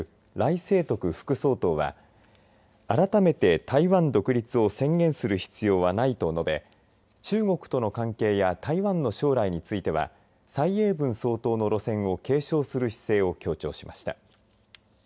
清徳副総統は改めて台湾独立を宣言する必要はないと述べ中国との関係や台湾の将来については蔡英文総統の路線を継承する姿勢を強調しました。